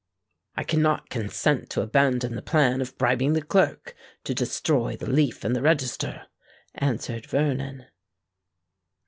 "I cannot consent to abandon the plan of bribing the clerk to destroy the leaf in the register," answered Vernon.